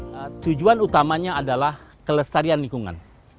pertama adalah kelestarian lingkungan